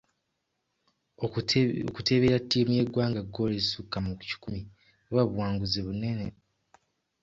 Okuteebera ttiimu y'eggwanga ggoolo ezisukka mu kikumi buba buwanguzi bunene.